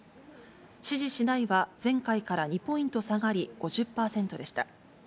支持しないは前回から２ポイント下がり５０％でした。